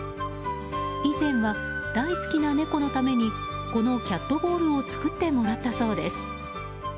以前は大好きな猫のためにこのキャットボウルを作ってもらったそうです。